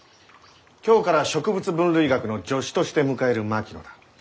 今日から植物分類学の助手として迎える槙野だ。